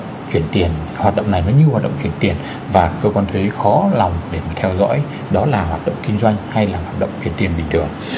hoạt động chuyển tiền hoạt động này nó như hoạt động chuyển tiền và cơ quan thuế khó lòng để mà theo dõi đó là hoạt động kinh doanh hay là hoạt động chuyển tiền bình thường